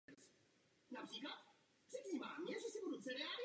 Mají si přijít další den.